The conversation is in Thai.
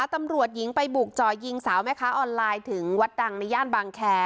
ตำรวจหญิงไปบุกจ่อยิงสาวแม่ค้าออนไลน์ถึงวัดดังในย่านบางแคร์